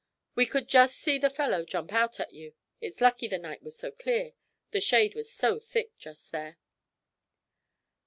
We could just see the fellow jump out at you. It's lucky the night was so clear, the shade was so thick just there.'